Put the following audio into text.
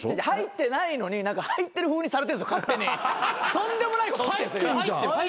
とんでもないこと起きてるんですよ。